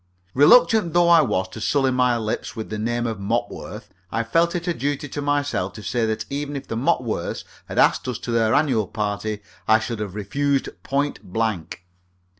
Reluctant though I was to sully my lips with the name of Mopworth, I felt it a duty to myself to say that even if the Mopworths had asked us to their annual party I should have refused point blank.